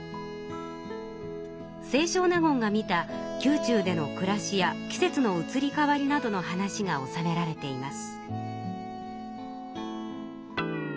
清少納言が見た宮中でのくらしや季節の移り変わりなどの話がおさめられています。